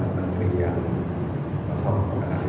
dan nanti masih ada waktu dua puluh hari lagi